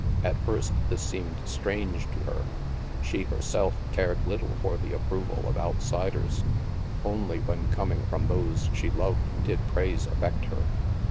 At first this seemed strange to her. She, herself, cared little for the approval of outsiders; only when coming from those she loved did praise affect her.